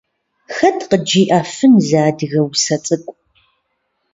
Хэт къыджиӏэфын зы адыгэ усэ цӏыкӏу?